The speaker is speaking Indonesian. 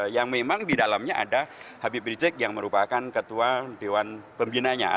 yang memang di dalamnya ada habib rizik yang merupakan ketua dewan pembinanya